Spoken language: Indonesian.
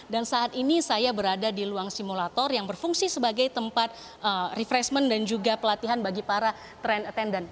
dan saat ini saya berada di luang simulator yang berfungsi sebagai tempat refreshment dan juga pelatihan bagi para trend attendant